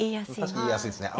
確かに言いやすいですね。